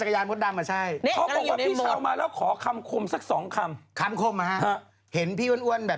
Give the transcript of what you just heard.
คิดถึงพ่อนะ